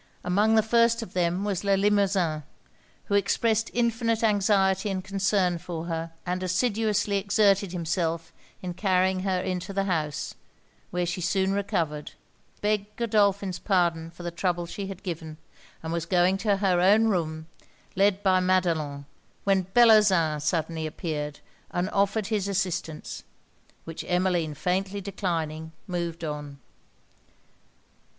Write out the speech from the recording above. Among the first of them was Le Limosin, who expressed infinite anxiety and concern for her, and assiduously exerted himself in carrying her into the house; where she soon recovered, begged Godolphin's pardon for the trouble she had given, and was going to her own room, led by Madelon, when Bellozane suddenly appeared, and offered his assistance, which Emmeline faintly declining, moved on.